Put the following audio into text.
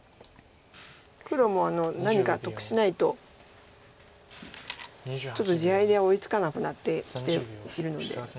黒も何か得しないとちょっと地合いで追いつかなくなってきているので。